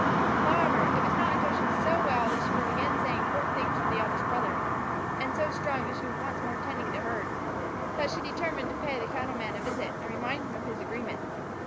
However, it was not until she was so well that she was again saying pert things to the eldest brother, and so strong that she was once more tending the herd, that she determined to pay the cattleman a visit and remind him of his agreement.